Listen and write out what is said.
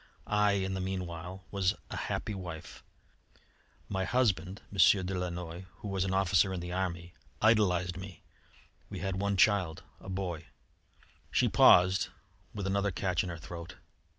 I, in the meanwhile, was a happy wife. My husband, M. de Lannoy, who was an officer in the army, idolised me. We had one child, a boy " She paused, with another catch in her throat.